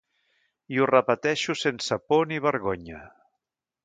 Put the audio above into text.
I ho repeteixo sense por ni vergonya.